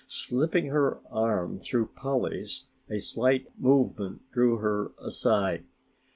Slipping her arm through Polly's a slight movement drew her aside.